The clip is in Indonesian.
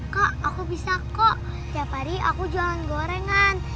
kok aku bisa kok tiap hari aku jualan gorengan